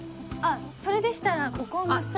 それでしたらここを真っすぐ。